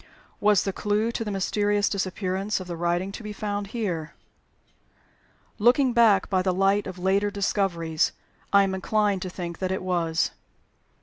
Was the clew to the mysterious disappearance of the writing to be found here? Looking back by the light of later discoveries, I am inclined to think that it was.